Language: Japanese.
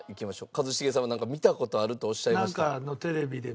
一茂さんはなんか「見た事ある」とおっしゃいました。